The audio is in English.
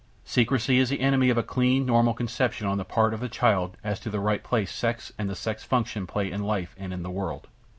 Secrecy is the enemy of a clean, normal conception on the part of the child as to the right place sex and the sex function play in life and in the world.